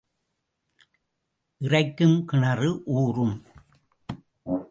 இறைக்கும் கிணறு ஊறும்.